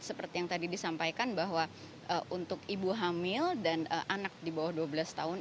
seperti yang tadi disampaikan bahwa untuk ibu hamil dan anak di bawah dua belas tahun